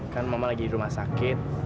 kan mama lagi di rumah sakit